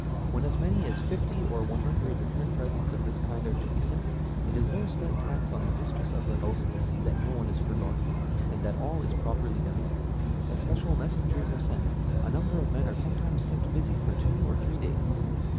When as many as fifty or one hundred return presents of this kind are to be sent, it is no slight tax on the mistress of the house to see that no one is forgotten, and that all is properly done. As special messengers are sent, a number of men are sometimes kept busy for two or three days.